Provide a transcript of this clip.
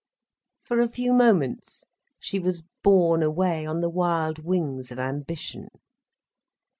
For a few moments she was borne away on the wild wings of ambition.